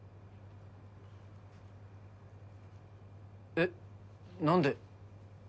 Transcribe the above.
えっ何で？